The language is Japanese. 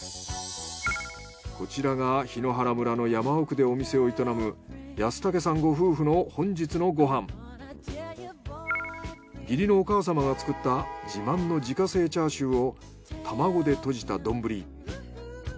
こちらが檜原村の山奥でお店を営む義理のお母様が作った自慢の自家製チャーシューを玉子でとじた丼。